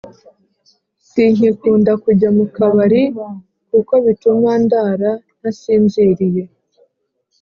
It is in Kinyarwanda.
Sinkikunda kujya mukabari kuko bituma ndara ntasinziriye